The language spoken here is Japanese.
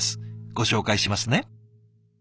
ご紹介しますね。